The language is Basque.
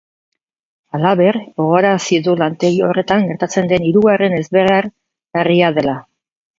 Halaber, gogorarazi du lantegi horretan gertatzen den hirugarren ezbehar larria dela.